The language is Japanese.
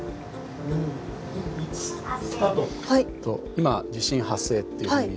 今地震発生っていうふうに。